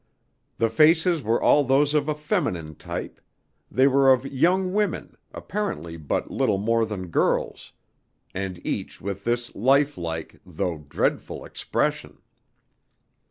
The faces were all those of a feminine type; they were of young women, apparently but little more than girls, and each with this life like, though dreadful expression.